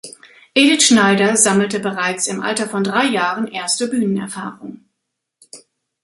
Edith Schneider sammelte bereits im Alter von drei Jahren erste Bühnenerfahrungen.